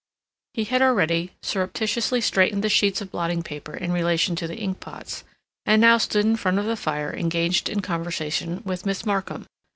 He had already surreptitiously straightened the sheets of blotting paper in relation to the ink pots, and now stood in front of the fire engaged in conversation with Miss Markham.